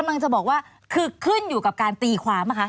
กำลังจะบอกว่าคือขึ้นอยู่กับการตีความป่ะคะ